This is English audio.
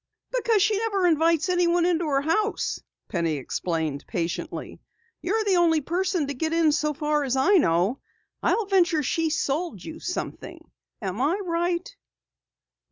"Because she never invites anyone into her house," Penny explained patiently. "You're the only person to get in so far as I know. I'll venture she sold you something. Am I right?"